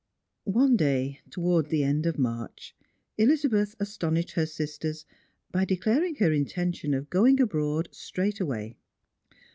One day, towards the end of March, Elizabeth astonished her eisters by declaring her intention of going abroad straightway.